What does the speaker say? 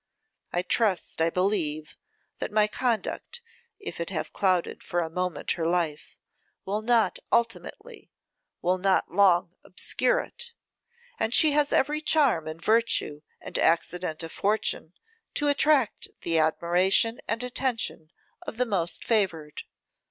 I trust, I believe, that my conduct, if it have clouded for a moment her life, will not ultimately, will not long obscure it; and she has every charm and virtue and accident of fortune to attract the admiration and attention of the most favoured.